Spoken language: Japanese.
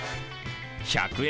１００円